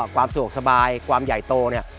ความสะดวกสบายความใหญ่โตเนี่ย